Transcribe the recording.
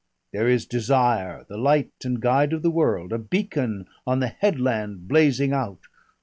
There is Desire, the light and guide of the world, a beacon on a headland blazing out.